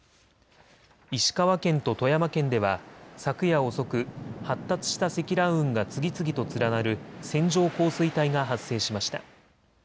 石川県と富山県では昨夜遅く、発達した積乱雲が次々と連なる線状降水帯が発生しました。